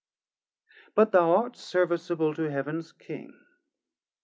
420 But thou art serviceable to Heaven's King.